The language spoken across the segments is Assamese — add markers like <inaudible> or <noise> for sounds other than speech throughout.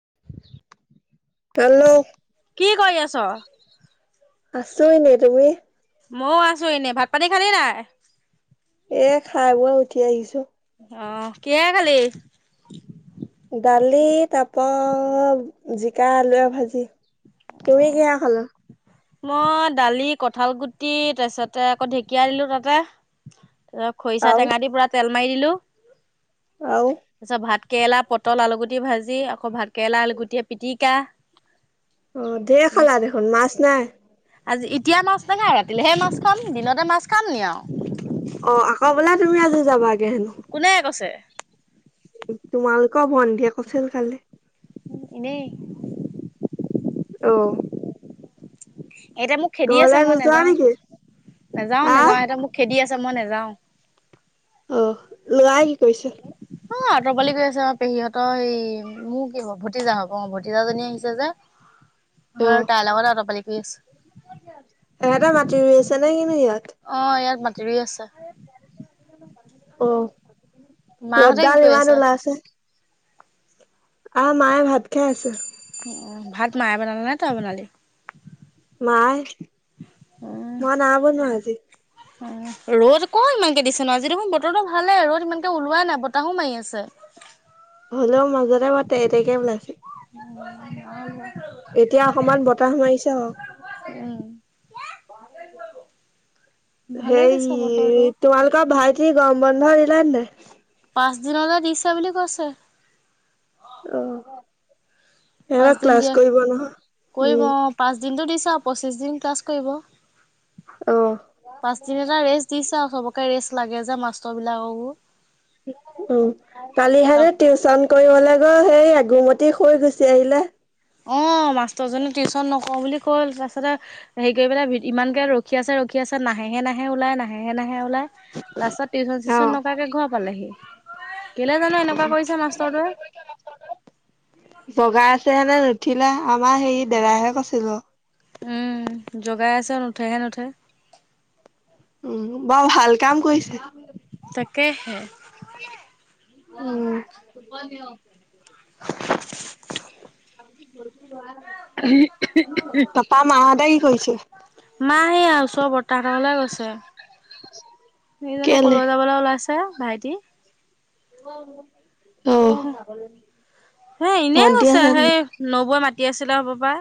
<inaudible> কি কৰি আছ'? আছো এনে তুমি? মও আছো এনেই, ভাত পানী খালি নাই? এ, খাই বই উঠি আহিছো। অহ, কিহে খালি? দালি তাৰপৰা জিকা, আলুৰে ভাজি। তুমি কিহে খালা? মই দালি, কঠালগুটি, তাৰছতে আকৌ ঢেকীয়া দিলো তাতে। আ খৰিচা আৰু টেঙা দি পুৰা তেল মাৰি দিলো, আৰু তাৰপিছত ভাত কেৰেলা, পটল, আলুগুটি ভাজি আকৌ ভাতকেৰেলা, আলুগুটি পিটিকা অ', ধেৰ খালা দেখোন, মাছ নাই? আজি এতিয়া মাছ নখায়, ৰাতিলেহে মাছ খাম, দিনতে মাছ খাম নি আউ? অ', আকৌ বোলে তুমি আজি যাবাগে? হেনো কোনে কৈছে? তোমালোকৰ ভন্তিয়ে কৈছিল কালি। উ, এনেই অ'। এটেৱ মোক খেদি আছে, ঘৰলে মই নোযোৱা নাযাও, নেকি নাযাও হা নাযাও এটে মোক খেদি আছ যা মই নাযাওঁ। অ', লৰাই কি কৰিছে? হৌআ', অত'পালি কৰি আছে অ, পেহীহঁতৰ এই, মোক কি হ', ভতিজা হ'ব অ', ভতিজা জনী আহিছে যে, তাইৰ লগতে আতপালি কৰি আছে। <unintelligible> এহটে মাটি ৰুই আছে নে কিনো ইয়াত? অ ইয়াত মাটি ৰুই আছে অ', মাহঁতে কি ৰ'দডাল কৰি ইমান ওলাই আছে। আহ, মায়ে ভাত খাই আছে। অ', ভাত মায়ে বনালে নে, তই বনালি? মায়, মই নাই বনোৱা আজি। ৰ'দ ক, ইমানকে দিছে নো আজি দেখোন বতৰো ভালে, ৰ'দ ইমানকে ওলোৱাই নাই, বতাহো মাৰি আছে। <unintelligible> হ'লেও মাজতে মই তে তেকে ওলাইছে। <inaudible> এতিয়া অকমান বতাহ মাৰিছে অ'। উম ভালে দিছে বতৰটো হেই, তোমালোকৰ ভাল কি গৰম বন্ধ দিলে নাই? পাঁচদিনলৈ দিছে বুলি কৈছে। অ'। সিহঁতৰ পাঁচদিন ক্লাছ দিয়া, কৰিব নহয় কৰিব উম অ', পাঁচ দিনতো দিছা পঁচিশদিন ক্লাছ কৰিব, অ পাঁচদিন এটা ৰেষ্ট দিছে আৰু সৱক কে ৰেষ্ট লাগে যে, মাষ্টৰ বিলাককো। অ', কালিহেনে টিউচন কৰিবলে গৈ সেই গুমতি শুই গুছি আহিলে। অ', মাষ্টৰজনে টিউচন নকৰো বুলি কৈ তাৰপাছতে হেৰি কৰিপেলাই ইমানকে ৰখি আছে ৰখি কি আছে, নাহেহে নাহে ওলাই, নাহেহে নাহ হেয়া ওলাই, লাষ্টত টিউচন অ চিউচন নকৰাকে ঘৰ পালেহি। কেলে জানো এনেকুৱা কৰিছে মাষ্টৰটোৱে? বগা আছে ঠিলা, আমাৰ হেই দেদাইহে কৈছিল অ'। উম জগাই আছে নুঠেহে নুঠে। উম, বৰ ভাল কাম কৰিছে। তাকেহে। উম। <unintelligible> <unintelligible> পাপা মাহঁতে কি কৰিছে মাহ সেয়া, ওচৰৰ বৰ্তাহতৰ ঘৰলে গৈছে। তুমি জানো কেলে কলৈ যাবলৈ ওলাইছে ভাইটি? অ। হে এনে ভন্টি কৈছে আছে নে সেই নাই নবৈ মাতি আছিলে হ'ব পায়।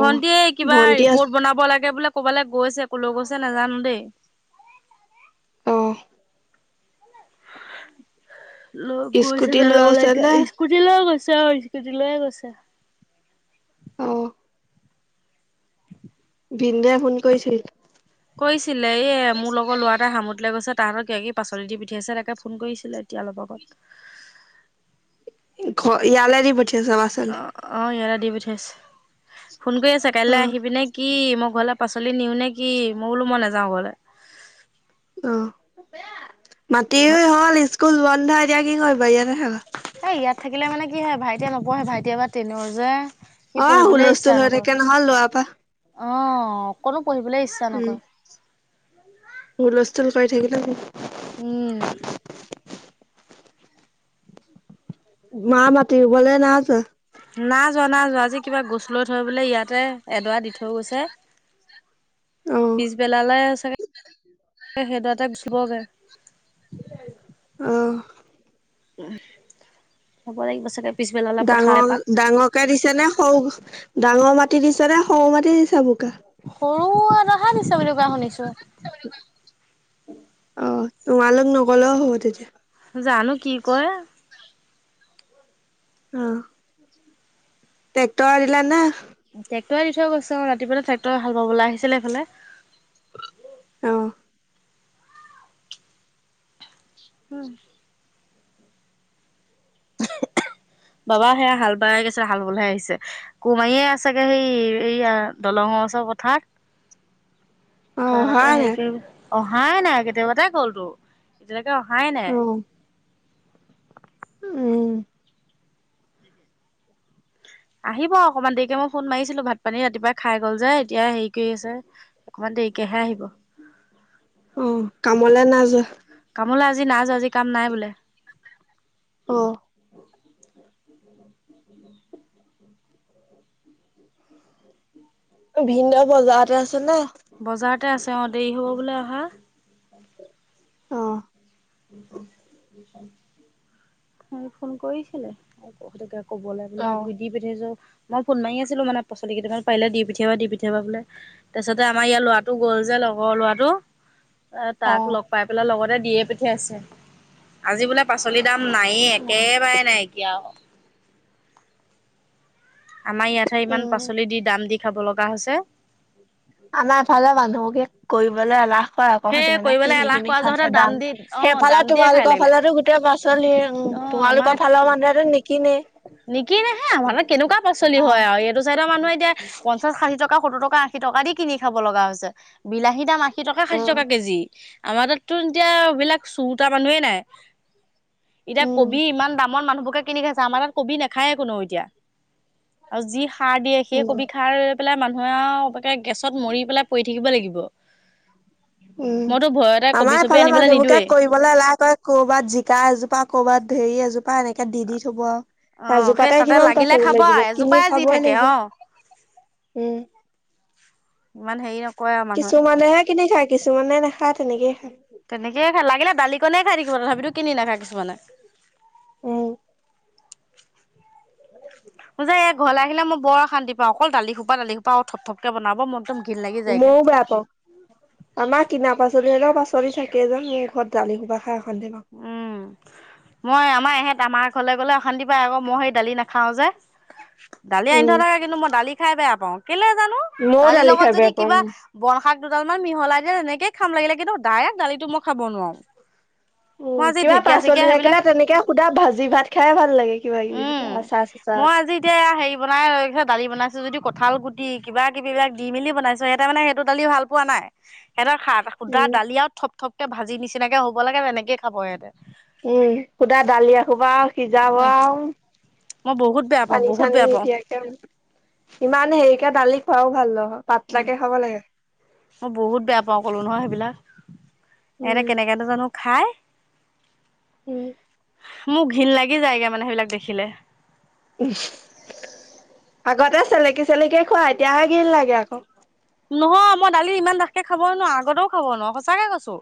অ ভন্টিয়ে, কিবা ভন্টি আছে ৰিপৰ্ট বনাব লাগে বোলে। ক'বালৈ গৈছে, ক'লৈ গৈছে নাজানো দেই। অ', লয় গৈছে স্কুটি লৈ গৈছে <unintelligible> নে? এস্কুটি লৈ গৈছে অ', স্কুটি লৈয়ে গৈছে। অ', ভিন্দোও ফোন কৰিছিল। কৈছিলে এ মোৰ লগৰ ল'ৰা এটা সামুত লৈ গৈছে। তাহতৰ কিবা কিবি পাচলি দি পিঠিয়াইছে তাকে ফোন কৰিছিলে এতিয়া অলপ আগত। ঘৰ ইয়াৰে দি পঠিয়াইছে ল'ৰা ছোৱালী। অ', অ', ইহঁতে দি পঠিয়াইছে ফোন কৰি আছে কাইলৈ অ', আহিবিনে কি মোক ঘৰলে পাচলি নিও নে কি? মই বোলো মই নাযাওঁ ঘৰলে। অ', মাটিৰ ঘৰ হ'ল ইচ স্কুল বন্ধ এতিয়া কি কৰিবা, ইয়াতে থাকা। এই ইয়াত থাকিলে মানে কি হয় ভাইটিয়ে নপঢ়ে ভাইটি এবাৰ তেনত যে। সি অ', পঢ়িবলৈ ইচ্ছা হুলস্থুল হৈ নকৰে। থাকে নহয় লোৱা পা। অ', কোনো উম, হুলস্থুল কৰি থাকিলে উম। মা মাতিবলে নাই যোৱা। না যোৱা, নাই যোৱা, আজি কিবা গছ লৈ থৈ বোলে ইয়াতে এডৰা দি থৈ গৈছে। <inaudible> অ', পিছ বেলালে চাগে <unintelligible> উম, অ', হব লাগিব চাগে? পিছবেলালে পথাৰ এপাক। ডাঙৰ-ডাঙৰকে দিছে নে সৰু-ডাঙৰ মাটি দিছে নে? খমাতি দিছা বোকা। সৰু এদহা দিছে বুলি কোৱা শুনিছো। অ', তোমালোক নগলেও হ'ব তেতিয়া। জানো কি কয়। অ। টেক্টৰ আৰিলা না? ট্ৰেক্টৰে দি থৈ গৈছে অ', ৰাতিপুৱা ট্ৰেক্টৰে হাল পাবলৈ আহিছিলে এফালে। অ'। উম। বাবা সেয়া হাল। ব গৈছ হাল বলহে আহিছে, কুমাৰীয়ে আছোগে সেই সেয়া দলংৰ ওচৰ পথাৰত। <inaudible> অ', তালইকে হয় নাই? হেৰি কৰি অহাই নাই, কেতিয়াবাতোই গল তো এতিয়ালৈ অহাই অ', নাই। উম। আহিব অকমান দেৰিকে মই ফোন মাৰিছিলো ভাত পানী ৰাতিপুৱাই খাই গল যে এতিয়া হেৰি কৰি আছে অকমান দেৰিকেহে আহিব। অ', কামলে নায় যোৱা? কামোলৈ আজি নাই যোৱা আজি কাম নাই বোলে। অ ভিনদেউ বজাৰতে আছে নে বজাৰতে আছে অ দেৰি হ'ব বোলে অহা। অহ ফোন কৰিছিলে ক'বলৈ বোলে গ দি পঠাইছো। মই ফোন মাৰি আছিলো মানে পচলি কেইামান পাৰিলে দি পঠিয়াবা দি পঠিয়া বোলে তাৰিছতে আমাৰ ইয়াৰ লৰাটো গ'ল যে। লগৰ লোৱাটো। <unintelligible> তাক অ', লগ পাই পেলাই লগতে দিয়ে পিঠিয়াই আছে আজি বোলে পাচলি দাম নায়ে একেবাৰে নাইকিয়। আমাৰ ইয়াতহে ইমান উম। পাচলি দি দাম দি খাব লগা হৈছে। আমাৰফালে মানুহকে কৰিবলৈ এলাহ আকৌ সেই সেইধ মানে কৰিবলৈ কিনি এলাহ কিনি কৰা যহতে খাইছে দাম দি অ সেইফালে দাম দিয়ে খাই তোমালোকৰ লাগিলে ফালে গোটেই পাচলি উ অ আমাৰ তোমালোকৰ হাতত ফালৰ মানুহ আৰু নিকিনে। নিকিনেহে আমাৰ ন কেনেকুৱা পাচলি হয় আৰু এইটো চাই মানুহে এতিয়া পঞ্চা ষাঠি টকা সত্ত টকাশী টকা দি কিনি খাব লগা হৈছে বিলাহীৰ দাম আশী। শ ষাঠি টকা অ', কেজি আমাৰ তাততো এতিয়া এইবিলাক চোৰতা মানুহেই নাই এতিয়া উম, কবি ইমান দামৰ মানুহবোৰ কিনি খাইছে আমাৰ তাত কবি নাখায় কোনো এতিয়া আৰু যি সাৰ দিয়ে সেই উম। কবি খাৰ লৈ পেলাই মানুহে আৰু গেছত মৰি পেলাই পৰি থাকিব লাগিব। উম। মইতো ভয়তে কবি আমাৰ চবি ইফালে আনিবলৈ মানুহবোৰকে নিদোৱেই কৰিবলৈ এলাহ কয় কৰ'বাত জিকা এজোপা কৰ'বাত ধেৰি এজোপা এনেকে দি দি থব। অ কাজু সেই পাতাই তাতে কিমান লাগিলে পাচলি খাব লাগিব আৰু কিনি এজোপাই যি খাবই থাকে লাগিব। অ উম। ইমান হেৰি নকৰে আৰু কিছুমানেহে মানুহে। কিনি খায় কিছুমানে নেখায় তেনেকয়ে খায় তেনেকেইে খাই লাগিলে দালিকনে খাই থাকিব তথাপিতো কিনি নেখায় কিছুমানে উম। উজ এক ঘৰলৈ আহিলে ম বৰ অশান্ত পাওঁ অকল দালি খোপা দালিখোপা আৰু থপথপকে বনাব মই ময়ও বেয়া পাওঁ আমাৰ কিনা পাচলি পাছ চলি থাকিয়ে উম মোৰ ঘৰত দালি খোবা খায় শান্তি পাওঁ। উম মই আমাৰ ইহেঁত আমাৰ ঘৰলৈ গ'লে অশান্তি পাই আকৌ মই সেই দালি নাখাও যে। দালি আনি উম থৈ থাকে কিন্তু মই দালি খাই বেয়া পাওঁ কেলৈ জানো ময়ও দালিৰ দালি লগত খাই বেয়া যদি পাওঁ কিবা বনশাক দুডাল মান মিহলাই যে এেনেকে খাম লাগিলে কিন্তু ডাইৰেক্ট দালিটো মই খাব নোৱাৰো। উম মই আজি কিবা ঢেকীয়া পাচলি চেকীয়া থাকিলে সেইবিলাক তেনেকে সুধা ভাজি ভাত খাই ভাল লাগে কিবা কিবি উম আচাৰ চাচাৰ মই সৈতে। আজি এতিয়া হেৰি বনাইৈছে দালি বনাইছো যদি ক কঠাল গুটি কিবা কিবাক দি মেলি বনাইছো সিহঁতে মানে সেইটো দালি ভাল পোৱা নাই। সিহঁতে সুধা উম দালিয় আৰুও থপথপকে ভাজি নিচিনাকে হ'ব লাগে তেনেকে খাব সিহঁতে। উম সুধা দালি একখোবা আৰু সিজাবা উম আৰু মই বহুত বেয়া পাওঁ পানী বহুত চানীও বেয়া পাওঁ নিদিয়াকে ইমান হেৰিকে দালি খোৱাও ভাল নহয়। উম পাতলাকে খাব লাগে মই বহুত বেয়া পাও কলো নহয় সেইবিলাক এ উম কেনেক জানো খাই। উম। মোক ঘৃণ লাগি যায়গৈ মানে সেইবিলাক দেখিলে। আগতে চেলেকি চেলেকি খোৱা এতিয়াহে ঘৃন লাগে আকৌ নহয় মই দালি ইমান ডাথকৈ খাব নোৱাৰো আগতেও খাব নোৱাৰো সঁচাকৈ কৈছোঁ।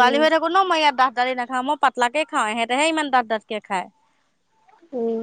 উম হৈ থাকোঁ ন মই ইয়াত দা দালি নাখাওঁ মই পাতলাকে খাওঁ সিহঁতেহে ইমান ডাঁত-ডাঁতকে খায়। উম,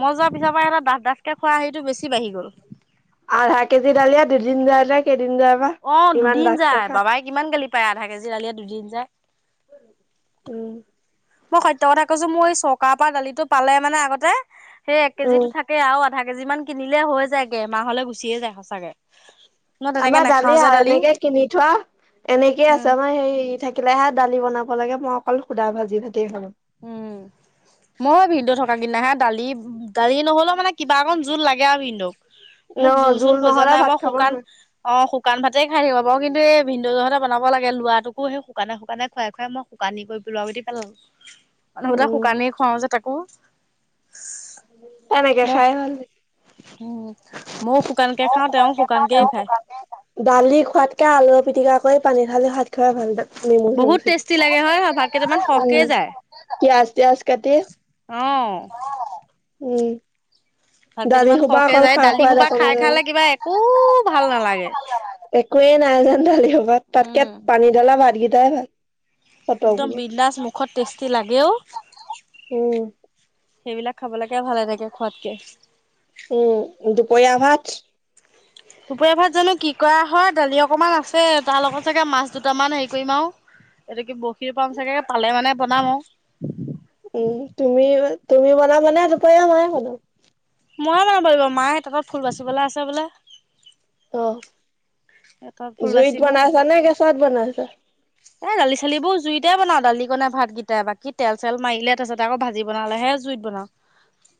মই যোৱাৰ পিছৰ পৰা এটা ডাঠ-ডাঠকে খোৱা হেৰিটো বেছি বাঢ়ি গ'ল। আধা কেজি দালিযে দুই দিন যায় নে কে অ, দুদিন যায় বাবাই কিমান গালি পায় আধা কেজি দালিয়ে দুদিন যায়। উম, মই সত্য কথা কৈছো মই চকাৰৰ পৰা দালিটো পালে মানে আগতে সেই এক উম, কেজিটো থাকে আৰু। আধা কেজি মান কিনিলে হৈ যায় গে মাহলে গুচিয়ে যায় সঁচাকে। মই তেনেকে আমাৰ নাখাও দালি যে আহ এনেকে কিনি থোৱা। এনেকেইে উম, আছে আমাৰ হে থাকিলে হে দালি বনাব লাগে মই অকল সুধা ভাজি ভাতেই খালো। <inaudible> মই ভিনদেও থকা কিনা হে দালি-দালি নহলেও মানে কিবা একন জোত লাগে আৰু ভিনদেওক। ন মোক জোল-চোল জোল প্ৰয়ো নহ'লে নাই ভাত মই খাব শুকান নোৱাৰো অ', শুকান ভাই খাই থাকিব বাৰু কিন্তু এই ভিনদেউ জহতে বনাব লাগ লৰাটোক সেই শুকানে-শুকানে খাই খুৱাই মই শুকান কৰি দোৰাবটি পাল মানুহবোটাাক উম, শুকানেই খুৱাও যে তাকো। এনেকে মই খাই ভাল উম ময়ো শুকানকে খাওঁ তেওঁ শুকানকেই খায় দালি খোৱাতকে আলু পিটিকা মই পানী ঢালি ভাত খাই ভাল তাত নেমু-চেমু বহুত চেপি। টেষ্টি লাগে হয় ভাত কেইটামান সহকে যায় পিয়াজ-তিয়াজ কাটি অ উম, ভালকেই দালি তাৰমান সোপা সৰহে অকল যায় খা দালি সোৱাদ সোবা অকল খাই খালে কিবা একো ভাল নালাগে। একোৱেই নাই যেন দালি সবাত তাতকে উম পানী দালা ভাতকেইটাই ভাল। একদম ফটকবোৰ বিন্দাজ মুখত টেষ্টি লাগেও। উম সেইবিলাক খাবলৈকে ভালে থাকে খোৱাতকে। উম, দুপৰীয়া ভাত দুপৰীয়া ভাত জানো কি কৰা হয় দালি অকণমান আছে তাৰ লগত চাগে মাছ দুটামান হেৰি কৰিম আৰু। এইটো কি বৰশীৰ পাম চাগে পালে মানে বনাম আৰু। উম তুমি তুমি বনানা মানে দেউতা মায়ে খাব। ময়ে বানাব পাৰিব মায়ে তাত ফুল বাচিবলৈ আছে বোলে। অ, তাঁতত ফুল জুইত বাচিব বনাইছা নে গেছত বনাইছা। এই দালি চালিবোৰ জুইতেই বনাও দালি কণাই ভাতকেইটাই বাকী তেল চেল মাৰিলে তাৰপছতে আকৌ ভিনালেহে জুইত বনাও। উ <inaudible>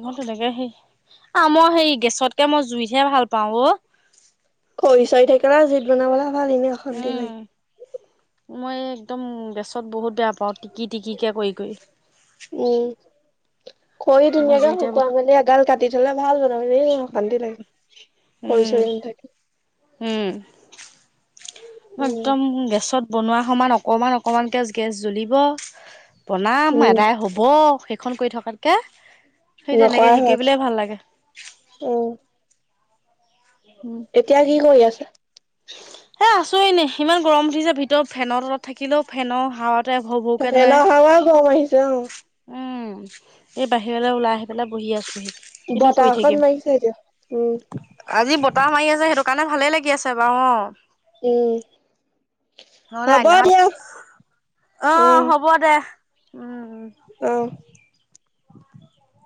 মই তেনেকে সি আ, মই হে গেছতকে মই জুইতহে ভাল পাও অ', কৰি চৰি থাকিলা জিদ বনাবলৈ ভাল এনে অশান্ত লৈ। উম মই একদম গেছত বহুত বেয়া পাওঁ টিকি টিকিকে কৰি-কৰি। উম, খৰি মই ধুনীয়াকে জুইতে শুকুৱাই মেলি এগাল কাটি থলে ভাল হল। অশান্তি লাগে কৰি উম চৰি নথাকে উম, মই উম একদম গেছত বনোৱা সমান অকণমান-অকণমানকৈ গেছ জ্বলিব বনাম উম আদাই হ'ব। সেইখন কৰি থকাতকে সেই তেনেকে শিকি পেলাই ভাল লাগে। উম উম এতিয়া কি কৰি আছে? এ আছো এনে ইমান গৰম উঠিছে ভিতৰত ফেনৰ তলত থাকিলেও ফেনৰ হাৱ ত হাৱা গম আহিছে অ এই বাহিৰলৈ ওলাই আহি পেলাই বহি আছোঁহি। বতাহ অকন লাগিছে এতিয়া উম, আজি বতাহ মাৰি আছে সেইটো কাৰণে ভালে লাগি আছে বাৰু অ, উম, নহলে হ'ব অগদিনাখন দিয়া অ, হ'ব দে উম-উম। অহ ', <unintelligible>